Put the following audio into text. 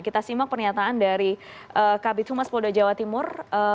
kita simak pernyataan dari kabit humas polda jawa timur